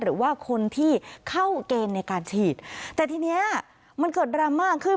หรือว่าคนที่เข้าเกณฑ์ในการฉีดแต่ทีเนี้ยมันเกิดดราม่าขึ้น